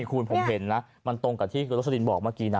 คุณผมเห็นแล้วมันตรงกับที่โลศลีนบอกเมื่อกี้นะ